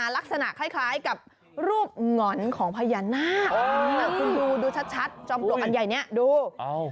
ลักษณะคล้ายกับรูปหง่อนของพญานาคคุณดูชัดจอมปลวกอันใหญ่นี้ดู